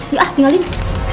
yuk ah tinggal ini